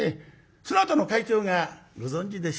そのあとの会長がご存じでしょう